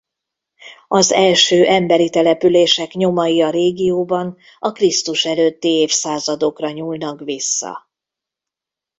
Az első emberi települések nyomai a régióban a Krisztus előtti évszázadokra nyúlnak vissza.